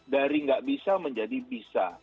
dari nggak bisa menjadi bisa